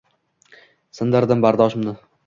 Sindirdim bardoshimni